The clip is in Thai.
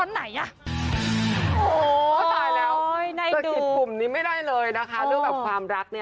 หรืออะ